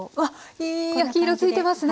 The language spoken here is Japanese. いい焼き色付いてますね。